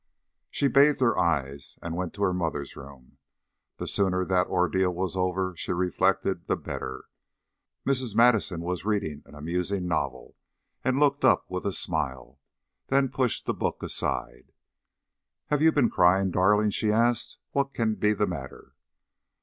She bathed her eyes and went to her mother's room. The sooner that ordeal was over, she reflected, the better. Mrs. Madison was reading an amusing novel and looked up with a smile, then pushed the book aside. "Have you been crying, darling?" she asked. "What can be the matter?"